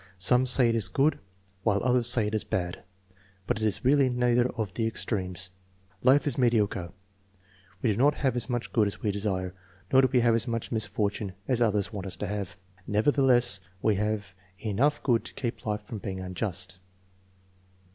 Some say it is good, while others say it is bad. But it is really neither of the extremes. Life is mediocre. We do not have as much good as we desire, nor do we have as much misfortune as others want us to have. Never theless, we have enough good to keep life from being unjust."